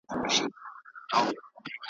او را یاد مي د خپل زړه د میني اور کم `